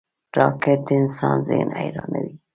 راکټ د انسان ذهن حیرانوي